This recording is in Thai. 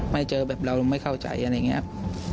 ไม่เจอแบบเราไม่เข้าใจอะไรอย่างนี้